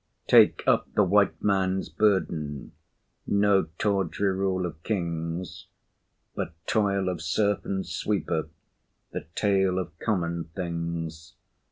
Take up the White Man's burden No tawdry rule of kings, But toil of serf and sweeper The tale of common things.